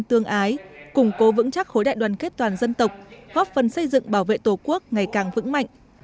tương ái củng cố vững chắc khối đại đoàn kết toàn dân tộc góp phần xây dựng bảo vệ tổ quốc ngày càng vững mạnh